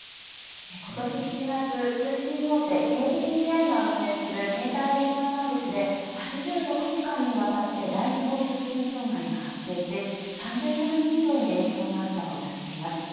今年７月通信大手ＫＤＤＩが運営する携帯電話サービスで８６時間にわたって大規模通信障害が発生し３０００万人以上に影響があったとされています。